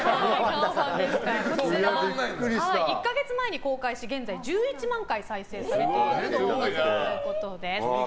１か月前に公開し現在、１１万回再生されている動画ということです。